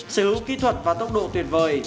sở hữu kỹ thuật và tốc độ tuyệt vời